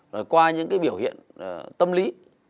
rồi qua những cái biểu hiện tâm lý